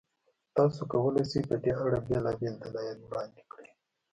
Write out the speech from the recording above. تاسو کولای شئ، په دې اړه بېلابېل دلایل وړاندې کړئ.